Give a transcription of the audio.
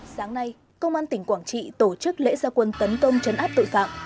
sáng nay công an tỉnh quảng trị tổ chức lễ gia quân tấn công chấn áp tội phạm